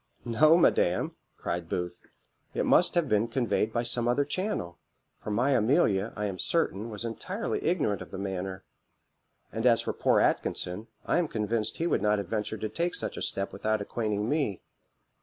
"No, madam," cried Booth, "it must have been conveyed by some other channel; for my Amelia, I am certain, was entirely ignorant of the manner; and as for poor Atkinson, I am convinced he would not have ventured to take such a step without acquainting me.